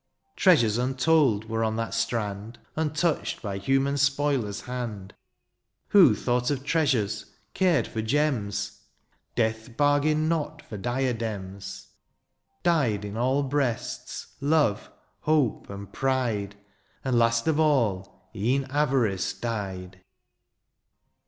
Treasures untold were on that strand Untouched by human spoiler's hand ! Who thought of treasures, cared for gems ? THE AREOPAGITE. 67 Death bargained not for diadems. Died in all breasts^ love^ hope, and pride ; And last of all, e'en ayarice died